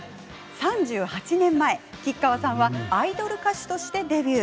３８年前、吉川さんはアイドル歌手としてデビュー。